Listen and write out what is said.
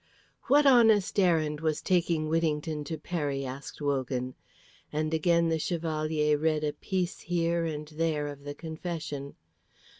"What honest errand was taking Whittington to Peri?" asked Wogan, and again the Chevalier read a piece here and there of the confession.